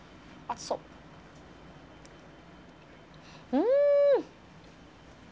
うん。